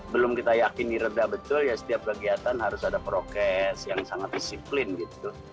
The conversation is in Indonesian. belum kita yakini reda betul ya setiap kegiatan harus ada prokes yang sangat disiplin gitu